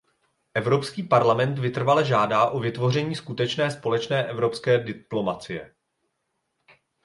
Evropský parlament vytrvale žádá o vytvoření skutečné společné evropské diplomacie.